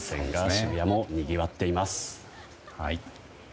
渋谷もにぎわっています。